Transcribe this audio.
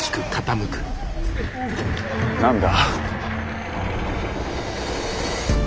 何だ？